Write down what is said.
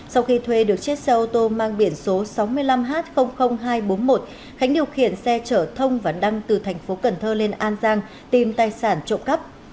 sau khi thuê được chiếc xe ô tô mang biển số sáu mươi năm h hai trăm bốn mươi một khánh điều khiển xe chở thông và đăng từ thành phố cần thơ lên an giang tìm tài sản trộm cắp